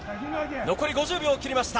残り５０秒を切りました。